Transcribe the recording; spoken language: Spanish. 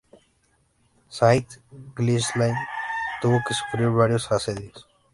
Saint-Ghislain tuvo que sufrir varios asedios.